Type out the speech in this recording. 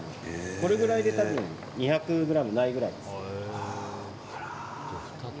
これくらいで２００ｇないくらい。